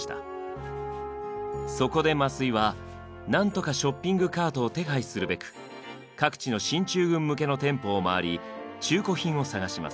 そこで増井はなんとかショッピングカートを手配するべく各地の進駐軍向けの店舗を回り中古品を探します。